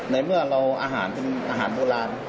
ในเมื่อเราอาหารเป็นอาหารโบราณ